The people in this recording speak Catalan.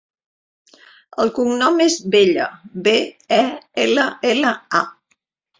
El cognom és Bella: be, e, ela, ela, a.